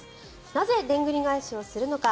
なぜ、でんぐり返しをするのか。